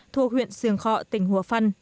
thuộc huyện sườn khọ tỉnh hùa phân